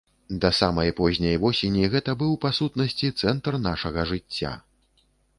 Да самай позняй восені гэта быў, па-сутнасці, цэнтр нашага жыцця.